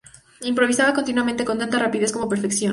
Improvisaba continuamente, con tanta rapidez como perfección.